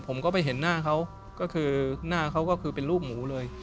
ผมก็ไปเห็นหน้าเขาก็คือหน้าเขาก็คือเป็นลูกหมูเลย